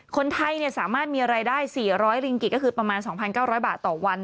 คนไทยสามารถมีรายได้๔๐๐ริงกิจก็คือประมาณ๒๙๐๐บาทต่อวัน